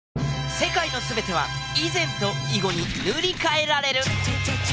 世界の全ては以前と以後に塗り替えられる！